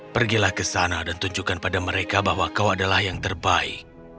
pergilah ke sana dan tunjukkan pada mereka bahwa kau adalah yang terbaik